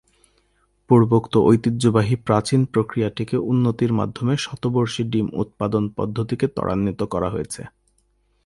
পূর্বোক্ত ঐতিহ্যবাহী প্রাচীন প্রক্রিয়াটিকে উন্নতির মাধ্যমে শতবর্ষী ডিম উৎপাদন পদ্ধতিকে ত্বরান্বিত করা হয়েছে।